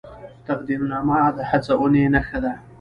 تقدیرنامه د هڅونې نښه ده